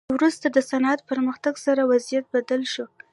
وروسته د صنعت پرمختګ سره وضعیت بدل شو.